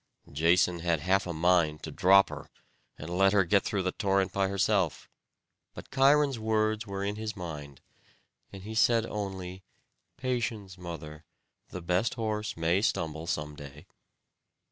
Jason had half a mind to drop her, and let her get through the torrent by herself; but Cheiron's words were in his mind, and he said only: "Patience, mother; the best horse may stumble some day."